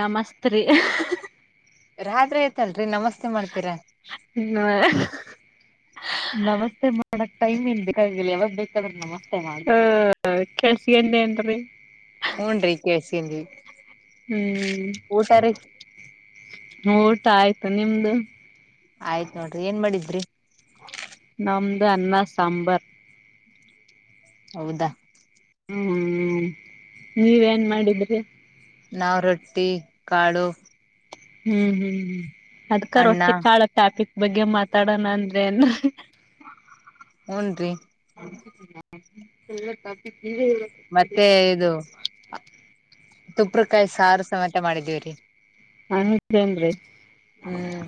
ನಮಸ್ತ್ರಿ. ರಾತ್ರಿ ಐತಲ್ರಿ ನಮಸ್ತೆ ಮಾಡ್ತೀರಾ. [unintelligible] ನಮಸ್ತೆ ಮಾಡಕ್ ಟೈಮ್ ಏನ್ ಬೇಕಾಗಿಲ್ಲ ಯಾವಾಗ ಬೇಕಾದ್ರ ನಮಸ್ತೇ ಮಾಡಬೋದ್ ಕೆಳ್ಸಗಂಡೆ ಅಂದರಿ ಹುನ್ರಿ ಕೆಳಸಕೊಂದಿವಿ. ಹ್ಮ್ ಊಟ ಆಯ್ತ ನಿಮ್ದು. ಆಯ್ತ್ ನೋಡ್ರಿ ಏನ್ ಮಾಡಿದ್ರಿ. ನಮ್ದು ಅನ್ನಾ ಸಾಂಬಾರ್. ಹೌದಾ. ಹ್ಮ್ಮ ನೀವೇನ್ ಮಾಡಿದ್ರಿ. ನಾವು ರೊಟ್ಟಿ ಕಾಳು. ಹ್ಮ್ ಹ್ಮ್ ಅದ್ಕ ಅಣ್ಣ ರೊಟ್ಟಿ ಕಾಳ ಟಾಪಿಕ್ ಬಗ್ಗೆ ಮಾತಾಡಣ ಅಂದ್ರ ಏನ್. ಹುನ್ರಿ. ಮತ್ತೆ [unintelligible] ಇದು ತುಪ್ಪ್ರಕಾಯಿ ಸಾರಸಮೇತ ಮಾಡಿದೀವರಿ. ಅನ್ನಕ್ಕ ಏನ್ರಿ. ಹ್ಮ್.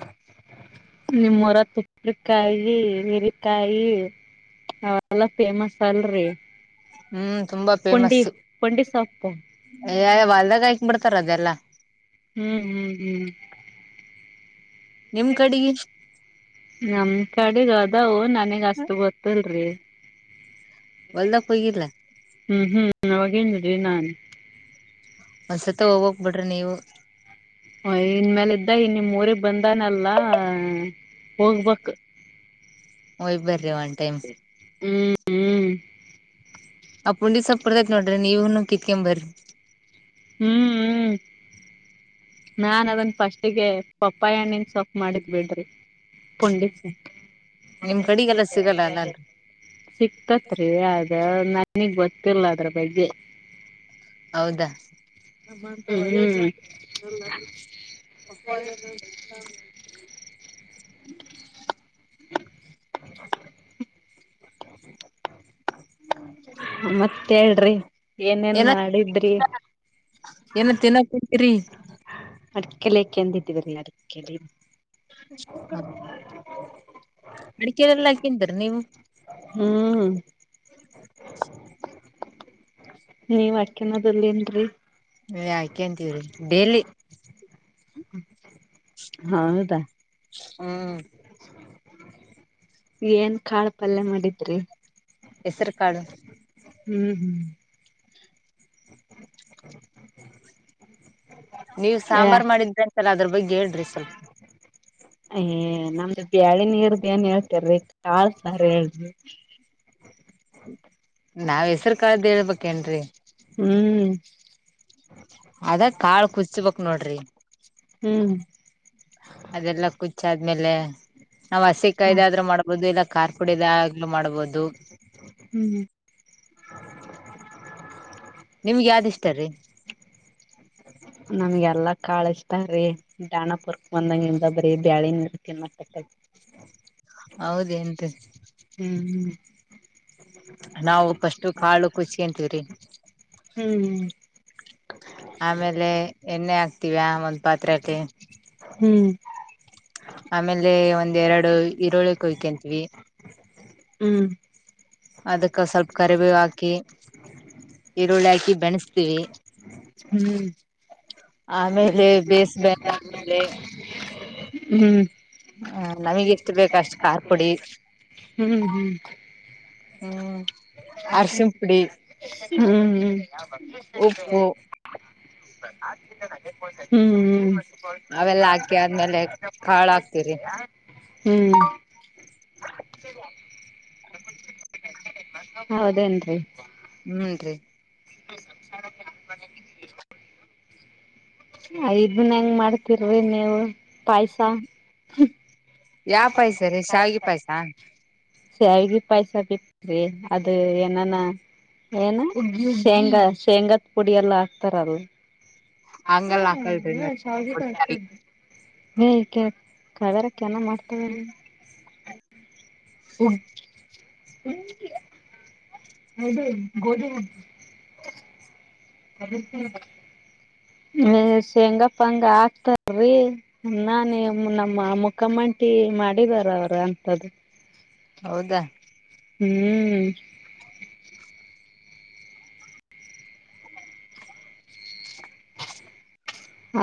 ನಿಮ್ಮೂರಾಗ ತುಪ್ಪರಿಕಾಯಿ ಹಿರಿಕಾಯಿ. ಅವೆಲ್ಲ ಫೇಮಸ್ ಅಲ್ರಿ ಹ್ಮ್ ಪುಂಡಿ ಪುಂಡಿ ಸೊಪ್ಪು. ಯ್ಯ ಒಳಗೆ ಹಾಕಿ ಬಿಡ್ತಾರ ಅದೆಲ್ಲಾ. ಹುಂ ಹುಂ ಹುಂ ನಿಮ್ ಕಡೆಗಿ ನಮ್ ಕಡೆಗ್ ಅದಾವು ನನಗ್ ಅಷ್ಟು ಗೊತ್ತಲ್ರಿ. ಒದಕ್ ಹೋಗಿದಲ್ಲ ಹುಂ ಅವಾಗೇನ್ ನಾನ್ ಒಂದ್ಸತ ಹೋಗೋಗ್ ಬಿಡ್ರಿ ನೀವು. ಇನ್ ಮೇಾಲ ಇದ್ದ ಇನ್ ನಿಮ್ ಊರಿಗ್ ಬಂದಾನಲ್ಲಾ ಹೋಗ್ಬಕ್ ಹೋಗಿ ಬರ್ರಿ ಒನ್ ಟೈಮ್ ಹುಂ ಅ ಪುಂಡಿ ಸೊಪ್ ಇರುತ್ತದ ನೋಡ್ರಿ ನೀವ್ ಕಿತ್ಕೊಂಡ ಬರಿ ಹುಂ ಹುಂ ನಾನ್ ಅದನ್ ಫಸ್ಟಿಗೆ. ಪಪ್ಪಾಯ ಹಣ್ಣಿನ್ ಸೊಫ ಮಾಡಿದ್ ಬಿಡ್ರಿ ಪುಂಡಿಸ ನಿಮ್ ಕಡೆಗೆಲ್ಲಾ ಸಿಗಲ್ಲ ಅಲ್ಲಾ ರೀ ಸಿಕ್ತತ್ರಿ ಅದ ನನಗ್ ಗೊತ್ತಿಲ್ಲ ಅದ್ರ ಬಗ್ಗೆ. ಹೌದಾ ನಮ್ಮಂತ ಒಳ್ಳೆ ಹ್ಮ್ [unintelligible] ಪಪ್ಪಾಯ [inaudible] ಮತ್ತ ಹೇಳ್ರಿ ಏನೇನ್ ಮಾಡಿದ್ರಿ. ಏನ ಏನ ತಿನ್ನಕ್ ಕುಂತೀರಿ. ಅಡಿಕಲಕ್ಕೆ ಎಂತ ಇತಿ ಬೀ ಅಡಕಲಿ. ಅಡಿಕೆಎಲ್ಲಾ ಹಾಕಂತಿರಿ ನೀವು ಹುಂ ನೀವ್ ಆಕೊನದಿಲ್ಲೇನ್ರಿ ಹಾಕಂತೀವ್ರಿ ಡೇಲಿ ಹೌದಾ ಹುಂ ನಿವು ಏನ್ ಕಾಳ ಪಲ್ಯಾ ಮಾಡಿದ್ರಿ. ಹೆಸರು ಕಾಳು ಹುಂ ನೀವ್ ಅಯ ಸಾಂಬಾರ್ ಮಾಡಿದ್ರ ಅಂತೆಲ್ಲಾ ಅದ್ರ ಬಗ್ಗೆ ಹೇಳ್ರಿ ಸ್ವಲ್ಪ್ [inaudible] ಅಯ್ಯಯ್ಯ ನಮ್ದು ಬ್ಯಾಳೆ ನೀರ್ದ ಏನ್ ಹೇಳ್ತಾರಿ ಕಾಳ್ ಸಾರ ಹೇಳ್ರಿ ನಾವ್ ಹೆಸರು ಕಾಳ್ದ ಹೇಳ್ಬೇಕೇನರೀ ಹುಂ ಅದ ಕಾಳ ಕುದಿಸಬೇಕ ನೋಡ್ರಿ ಹೂಂ ಅದೆಲ್ಲಾ ಕುಚ್ಚ ಆದ್ಮೇಲೆ ನಾವು ಹಸಿ ಕಾಯ್ದಾದ್ರೂ ಮಾಡ್ಬಹದು ಇಲ್ಲಾ ಕಾರ್ ಪುಡಿದಾಗ್ಲೂ ಮಾಡ್ಬಹುದು ಹುಂ [inaudible] ನಿಮ್ಗೆ ಯಾವ್ದ ಇಷ್ಟಾ ರೀ ನಮ್ಗೆ ಎಲ್ಲಾ ಕಾಳ ಇಷ್ಟಾ ರೀ ದಾಣಪುರ್ ಬಂದಾಗಿನಿಂದ ಬರೀ ಬ್ಯಾಳಿ ಅಟ್ಟ ತಿನಾಕತೆ ತೀ ಹೌದೇನರೀ ನಾವು [unintelligible] ಫಸ್ಟ್ ಕಾಳು ಕುದೀಸೋಂತಿವ್ರಿ ಹ್ಮ್ ಆಮೇಲೆ ಎಣ್ಣೆ ಹಾಕ್ತೀವ ಒಂದ್ ಪಾತ್ರೆಕೆ. ಹ್ಮ್. ಆಮೇಲೆ ಒಂದ್ ಎರಡು ಈರುಳ್ಳಿ ಕೊಯ್ಕೆಂತಿವಿ. ಹ್ಮ್ ಅದುಕ್ ಒನ್ ಸೊಲ್ ಈರುಳ್ಳಿ [inaudible] ಹಾಕಿ ಬೆಣಸ್ತೀವಿ ಹ್ಮ್. ಆಮೇಲೆ ಬೇಸ್ಬಂದದ್ಮೇಲೆ. ಹ್ಮ್. ಹ್ಮ್ ಹ ನಮಗ್ ಎಷ್ಟು ಬೇಕ ಅಷ್ಟ್ ಖಾರ ಪುಡಿ ಹ್ಮ್. ಹ್ಮ್. ಅರ್ಶಿಣ ಪುಡಿ ಹ್ಮ್ ಉಪ್ಪು ಹ್ಮ. ಹ್ಮ್ ಅವೆಲ್ಲಾ ಹಾಕಿ ಆದ್ಮೇಲೆ ಹ್ಮ್. ಕಾಳ ಹಾಕ್ತಿವ್ರಿ ಹ್ಮ್. ಹೌದೇನ್ರಿ. ಹುಂನ್ರೀ. [inaudible] ಇದುನ್ ಹೆಂಗ್ ಮಾಡ್ತಿರಿ ನೀವು ಪಾಯ್ಸ. ಯಾ ಪಾಯ್ಸ ರೀ ಶಾವ್ಗಿ ಪಾಯ್ಸ. ಶಾವ್ಗಿ ಪಾಯ್ಸ ಬಿತ್ರೀ ಅದು ಏನಾನ. ಏನು ಶೇಂಗಾ ಶೇಂಗಾದ್ ಪುಡಿ ಎಲ್ಲಾ ಹಾಕ್ತಾರದು. ಹಂಗಲ್ಲ ಹ್ಮ್ ಹಾಕಲ್ರಿ ನ ಹ್ಮ್ ಶಾವ್ಗಿ. [inaudible] ಹುಗ್. [inaudible] ಹದು ಗೋದಿ ಹುಗ್ಗಿ. [unintelligible] ಹೇ ಶೇಂಗ ಪಂಗ ಹಾಕ್ತಾ ರೀ. ನಮ್ ನಾನಿ ನಮ್ಮ ಮುಖಮಂಟಿ ಮಾಡಿದಾರ ಅವ್ರು ಅಂತದು. ಹೌದಾ. ಹ್ಮ್.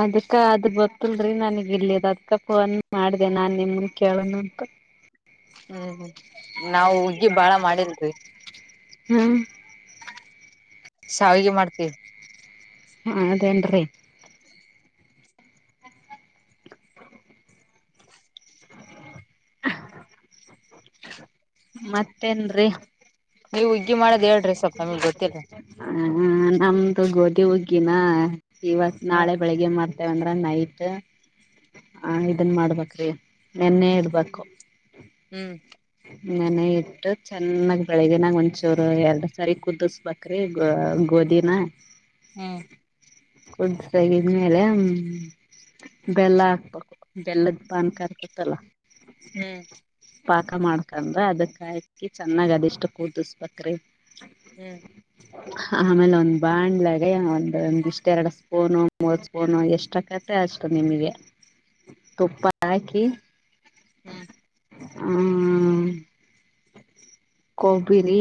ಅದಕ್ಕ ಅದ್ ಗೊತ್ತಲ್ರಿ ನನಿಗ್ ಇಲ್ ಇರದ್ಕ ಫೋನ್ ಮಾಡ್ದೆ ನಾನ್ ನಿಮನ್ ಕೇಳಣ ಅಂತ. ಹ್ಮ್ ಹ್ಮ್ ನಾವ್ ಹುಗ್ಗಿ ಬಾಳ ಮಾಡಿಲ್ರೀ. ಹ್ಮ್. ಶಾವಿಗೆ ಮಾಡ್ತೀವಿ ಹೌದೇನ್ರಿ. [inaudible] ಮತ್ತೇನ್ರಿ. ನೀವು ಹಗ್ಗಿ ಮಾಡದ್ ಹೇಳ್ರಿ ಸ್ವಲ್ಪ್ ನಮಿಗ್ ಗೊತ್ತಿಲ್ಲ. ಹಾ ನಮ್ದು ಗೋದಿ ಹಗ್ಗಿನ ಇವತ್ ಹ್ಮ್ ನಾಳೆ ಬೆಳೆಗೆ ಮಡ್ ತೆವಂದ್ರ ನೈಟು ಆ ಇದನ್ ಮಾಡ್ಬೇಕ್ರೀ ನೆನೆ ಇಡ್ಬಕು. ಹ್ಮ್. ನೆನೆ ಇಟ್ಟು ಚೆನ್ನಾಗ್ ಬೆಳಗ್ಗಿನಾ ಒಂಚೂರು ಎರಡ್ ಸಾರಿ ಕುದುಸ್ ಬಕ್ ಕ್ರಿ ಗೋದಿನ. ಹ್ಮ್ ಕುದ್ಸ್ ತಗಿದ್ಮೇಲೆ. ಬೆಲ್ಲ ಹಾಕ್ಬಕು ಬೆಲ್ಲದ್ ಪಾನ್ಕ ಇರ್ತತ್ತಲ್ಲ. ಹ್ಮ್. ಮಾಡ್ಕಂಡ್ರ ಅದಕ್ಕ ಹಾಕಿ ಚನ್ನಾಗ್ ಅದಿಷ್ಟು ಕೂದುಸ್ಬಕ್ರೀ. ಹ್ಮ್. ಹಾ ರಿ ಆಮೇಲೆ ಒಂದ್ ಬಾಣ್ಲೆಗೆ ಒಂದ ಒಂದ್ ಇಷ್ಟ ಎರಡು ಸ್ಪೂನು ಮೂರ್ ಸ್ಪೂನು ಎಷ್ಟಕತ್. ಷ್ಟೆ ಅಷ್ಟು ನಿಮಗೆ ತುಪ್ಪಾ ಹಾಕಿ. ಹು ಹ ಕೊಬ್ಬಿರಿ.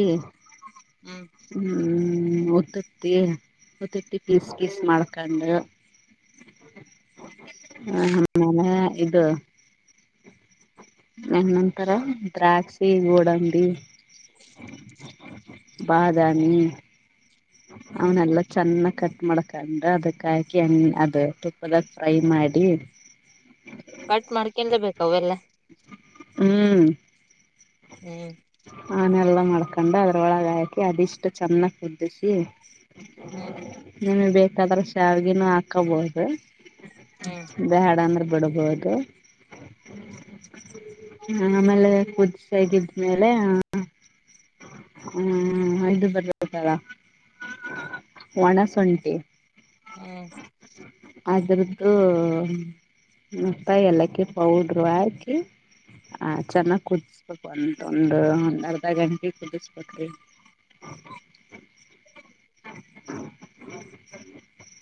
ಹು ಹು ಉತ್ತತ್ತಿ ಉತ್ತತ್ತಿ ಪೀಸ್ ಕೀಸ್ ಮಾಡ್ಕೊಂಡ. ಹ ಆಮೇಲ ಇದು. ಮೆಲ್ ನಂತರ ದ್ರಾಕ್ಷಿ ಗೋಡಂಬಿ. ಬಾದಾಮಿ ಹ್ಮ್ ಅವನೆಲ್ಲಾ. ಚೆನ್ನಾಗ ಕಟ್ ಮಾಡಕಂಡ ಅದಕ್ಕ ಹಾಕಿ ಅದ ತುಪ್ಪದಾಗ ಫ್ರೈ ಮಾಡಿ. ಕಟ್ ಮಾಡ್ಕೊಂಡ ಬೇಕ ಅವೆಲ್ಲಾ. ಹು ಹು ಆನೆಲ್ಲಾ ಮಾಡ್ಕೊಂಡ್ ಅದ್ರೊಳಗ ಹಾಕಿ ಅದಿಷ್ಟು ಚೆನ್ನಾಗಿ ಕುದಿಸಿ. ಹು ನಿಮಗ ಬೇಕಾದ್ರ ಶಾವಿಗಿನೂ ಹಾಕೋಬಹುದು. ಹ್ಮ್ ಬ್ಯಾಡ ಅಂದ್ರ ಬಿಡ್ಬಹುದು. ಆಮೇಲೆ ಕುದಿಸಾಗಿದ್ಮೇಲೆ. ಹು ಇದು ಬರ್ತೇತ್ತಲ್ಲ ಒಣಸುಂಟಿ. ಹು ಅದ್ರದ್ದು. ಮತ್ತ ಯಾಲಕ್ಕಿ ಪೌಡ್ರು ಹಾಕಿ. ಆ ಚೆನ್ನಾಗ್ ಕುದಿಸ್ಬೇಕು ಅಂತೊಂದು ಅರ್ದಾ ಗಂ ಇದ ಸತೀಶ್ಪ್ಯಾಕ್ಟ ರಿ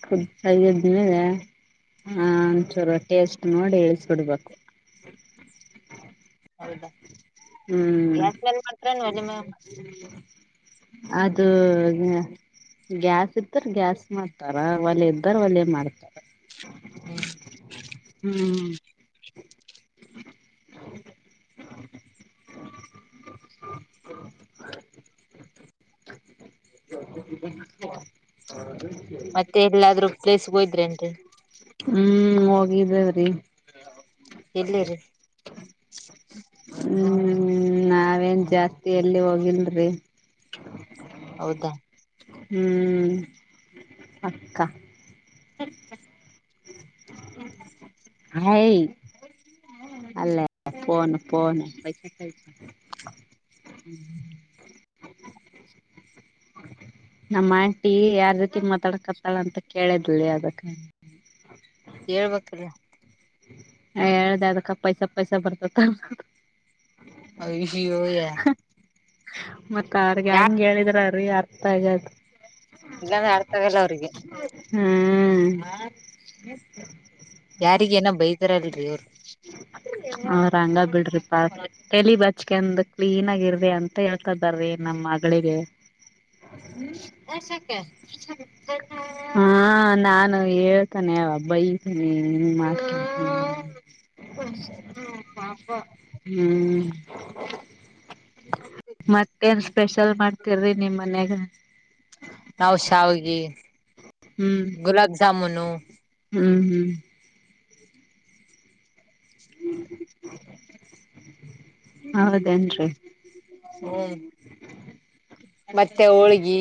ಕುದ್ಸಂಗಿದ್ದ ಹೇಳಾ ಹಾ ಚೂರ ಟೆಸ್ಟ್ ನೋಡಿ ಸುಡಬೇಕು. ಹೌದಾ ಗ್ಯಾಸ್ ಮ್ಯಾಲೆ. ಅದು ಯಾ. ಗ್ಯಾಸ್ ಇದ್ದರ ಗ್ಯಾಸ್ ಮಾಡ್ತಾರ ಒಲೆ ಇದ್ದರ ಒಲೆ ಮಾಡ್ತಾರಾ. ಹು ಹು ಇಸ್ಕೊಡೋ ಪ್ಲ್ಯಾನ್ ಹಾಕಿದ. [unintelligible] ಮತ್ತೆ ಎಲ್ಲಾದ್ರು ಪ್ಲೇಸ್ ಹೋಗಿದ್ರೆಂಡ್ರಿ. ಹು ಹೋಗಿದೇವ ರಿ. ಎಲ್ಲೇ ರಿ. ಹು ನಾವೇನ್ ಜಾಸ್ತಿ ಎಲ್ಲಿ ಹೋಗಿಲಡ್ರಿ. ಹೌದಾ ಹು ಅಕ್ಕಾ ಹಾಯ್ ಅಲ್ಲೇ ಪೋನ್ ಪೋನ್ ಪೈಸೆ ಹು ನಮ್ಮ ಆಂಟಿ ಯಾರ್ ರೀತಿ ಮಾತಾಡಕತ್ತಾಳ ಅಂತ ಕೇಳಿದ್ಲ ಲೆ ಅದಕ್ಕ. ಹೇಳ್ಬೇಕಿಲ್ಲ. ಹೇಳ್ದ ಅದಕ್ಕ ಪೈಸ ಪೈಸ ಬರ್ತತ್ತ. ಅಯ್ಯೋಯ್ಯೋ. ಮತ್ತ ಅವ್ರಿಗೆ ಹೆಂಗ ಹೇಳಿದ್ರ ರೀ ಅರ್ಥ ಆಗದು. ಇಲ್ಲಂದ್ರ ಅರ್ಥ ಆಗಲ್ಲ ಅವರಿಗೆ. ಹ್ಮ್. ಯಾರಿಗೇಏನೋ ಬೈತಾರಲ್ರಿ ಅವ್ರು. ಅವ್ರು ಹಂಗ ಬಿಡ್ರಿ ಪಾ ತಲಿ ಬಚ್ಕಂದ ಕ್ಲೀನ್ ಆಗಿ ಇರ್ದೆ ಅಂತ ಹೇಳ್ತಾ ಇದ್ದಾರೀ ನಮ್ಮ ಮಗಳಿಗೆ. ಆಶಕ್ಕ. ಹಾ ನಾನು ಹೇಳ್ತಾನೆ ಬೈತೀನಿ ನಿ. ಹಾ. ಪಾಪ ಹ್ಮ್. ಮತ್ತೇನ್ ಸ್ಪೆಷಲ್ ಮಾಡ್ತಿರ್ರಿ ನಿಮ್ ಮನ್ಯಾಗ. ನಾವು ಶಾವಗೆ ಹ್ಮ್ ಗುಲಾಬ್ ಜಾಮೂನು. ಹ್ಮ್ ಹ್ಮ್. ಹೌದೇನ್ರಿ. ಹ್ಮ್ ಮತ್ತೆ ಹೋಳ್ಗಿ.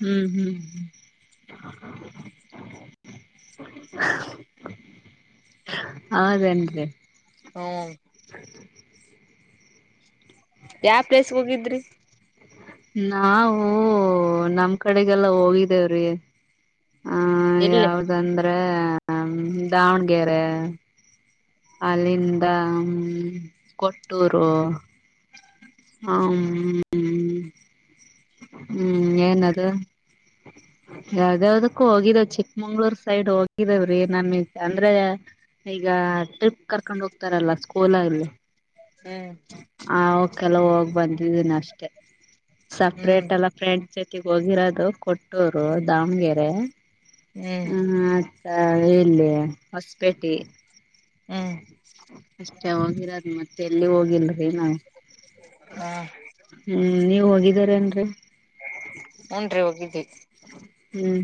ಹ್ಮ್ ಹ್ಮ್ ಹ್ಮ. ಹೌದೇನ್ರಿ. ಹ್ಮ. ಯಾವ ಪ್ಲೇಸ್ ಹೋಗಿದ್ರಿ. ನಾವವು ನಮ್ ಕಡೆಗೆಲ್ಲ ಹೋಗಿದ್ದೇವ್ರಿ. ಎಲ್ಲಿ. ಅಂದ್ರೆ ದಾವಣಗೆರೆ. ಅಲ್ಲಿಂದ ಕೊಟ್ಟೂರು. ಹ್ಮ ಹ್ಮ್ ಏನ ಅದು. ಯಾವ್ದ ಯಾವ್ದಕ್ಕೂ ಹೋಗಿದವ ಚಿಕ್ಕಮಂಗ್ಳೂರ್ ಸೈಡ್ ಹೋಗಿದೇವ್ರಿ ನಮಗೆ ಅಂದ್ರ. ಈಗ ಟ್ರಿಪ್ ಕರ್ಕೊಂಡ್ ಹೋಗ್ತಾರಲ್ಲ ಸ್ಕೂಲಲ್ಲಿ ಹ್ಮ್ ಆ ಕೆಲ ಹೋಗ್ ಬಂದಿದ್ದೀನ ಅಷ್ಟೆ ಹ್ಮ್ ಸಪ್ರೇಟ್ ಎಲ್ಲ. ಫ್ರೆಂಡ್ ಜೊತೆಗ್ ಹೋಗಿರೋದು ಕೊಟ್ಟೂರು ದಾವಣಗೆರೆ ಹ್ಮ್ ಹ್ಮ್ ಆ. ಅ ಇಲ್ಲಿ ಹೊಸಪೇಟೆ. ಹ್ಮ್ ಅಷ್ಟೇ ಹೋಗಿರದು ಮತ್ತೆ ಎಲ್ಲಿ ಹೋಗಿಲ್ರಿ ನಾವು. ಹಾ. ಹ್ಮ್ ನೀವ ಹೋಗಿದಾರೇಏನ್ರರಿ. ಹುನ್ರಿ ಹೋಗಿದ್ದಿ. ಹ್ಮ್.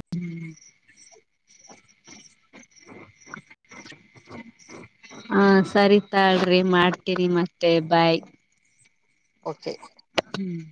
[inaudible] ಹಾ ಸರಿತಾಳ್ರಿ ಮಾಡ್ತೀರಿ ಮತ್ತೆ ಬಾಯ್. ಓಕೆ. ಹ್ಮ್.